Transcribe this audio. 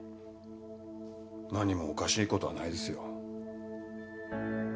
何もおかしい事はないですよ。